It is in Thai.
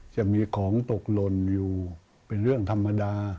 จะมีของตกหล่นอยู่เป็นเรื่องธรรมดา